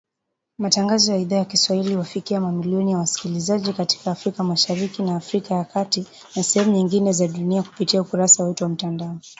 Matangazo ya Idhaa ya Kiswahili, huwafikia mamilioni ya wasikilizaji katika Afrika Mashariki na Afrika ya kati na sehemu nyingine za dunia kupitia ukurasa wetu wa mtandao.